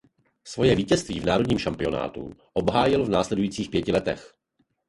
Svoje vítězství na národním šampionátu obhájil v následujících pěti letech.